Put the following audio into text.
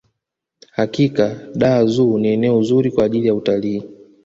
hakika dar zoo ni eneo zuri kwa ajiri ya utalii